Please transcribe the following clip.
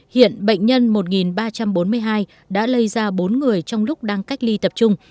hiện bệnh nhân một ba trăm bốn mươi hai đã lây ra bốn người trong lúc đang cách ly tập trung